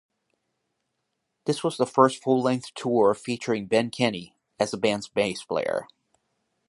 This was the first full-length tour featuring Ben Kenney as the band's bass player.